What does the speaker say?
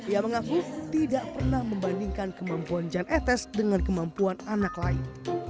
ia mengaku tidak pernah membandingkan kemampuan jan etes dengan kemampuan anak lain